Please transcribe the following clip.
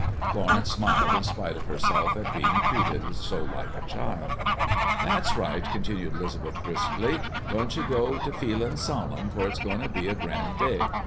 Florence smiled in spite of herself at being treated so like a child. "That's right," continued Lisbeth briskly: "don't ye go to feelin' solemn, for it's goin' to be a grand day.